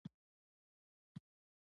پنځمه برخه د هایدرولیک انجنیری ده.